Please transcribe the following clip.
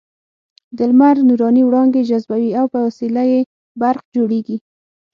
د لمر نوراني وړانګې جذبوي او په وسیله یې برق جوړېږي.